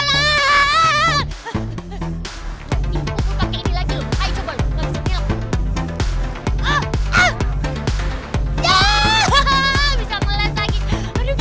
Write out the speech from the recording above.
manusia serigala yang diantong